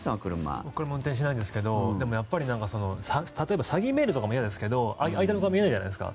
運転しないですけど詐欺メールもそうですけど相手の顔が見えないじゃないですか。